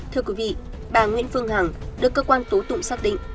thưa quý vị bà nguyễn phương hằng được cơ quan tố tụng xác định